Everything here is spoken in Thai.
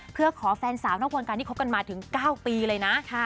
เพื่อขอแฟนสาวนอกวงการที่คบกันมาถึง๙ปีเลยนะ